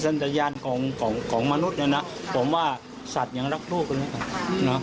โดยสัญญาณของมนุษย์เนี่ยนะผมว่าสัตว์ยังรักลูกเลยนะ